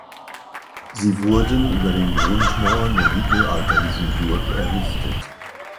Sie wurden über den Grundmauern der mittelalterlichen Burg errichtet.